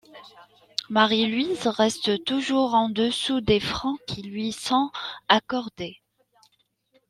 Marie-Louise reste toujours en dessous des francs qui lui sont accordés.